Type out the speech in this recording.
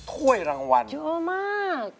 ถ้วยรางวัลเยอะมาก